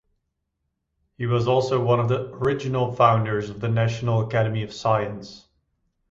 He was also one of the original founders of the National Academy of Science.